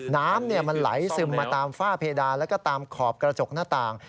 น้ำมันไหลซึมมาตามฝ้าเพดานแล้วก็ตามขอบกระจกหน้าต่าง